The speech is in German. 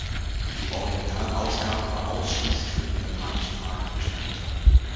Die Originalausgabe war ausschließlich für den japanischen Markt bestimmt.